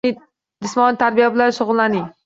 Jismoniy tarbiya bilan shug‘ullaning.